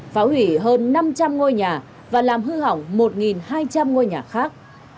phá hủy hơn năm trăm linh ngôi nhà và làm hư hỏng một hai trăm linh ngôi nhà khác